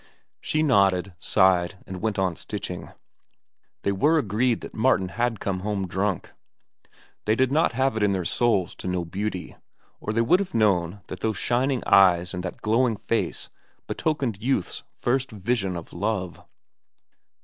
She nodded, sighed, and went on stitching. They were agreed that Martin had come home drunk. They did not have it in their souls to know beauty, or they would have known that those shining eyes and that glowing face betokened youth's first vision of love.